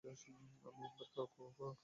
আমি একবার খোলটা দেখে আসি।